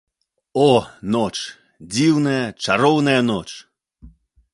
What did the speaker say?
О, ноч, дзіўная, чароўная ноч!